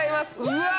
うわ！